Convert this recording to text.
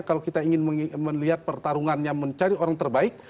kalau kita ingin melihat pertarungannya mencari orang terbaik